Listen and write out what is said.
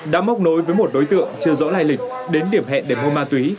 đã móc nối với một đối tượng chưa rõ lai lịch đến điểm hẹn để mua ma túy